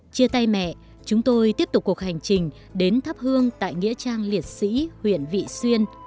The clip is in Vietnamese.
chia tay mẹ chúng tôi tiếp tục cuộc hành trình đến thắp hương tại nghĩa trang liệt sĩ huyện vị xuyên